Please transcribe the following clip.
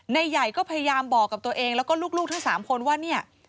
ใหญ่ก็พยายามบอกกับตัวเองแล้วก็ลูกทั้ง๓คนว่าเนี่ย